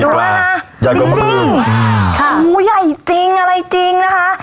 ดูน่ะจริงจริงอู๋ใหญ่จริงอะไรจริงนะคะ